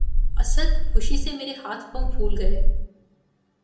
اسد! خوشی سے مرے ہاتھ پاؤں پُھول گئے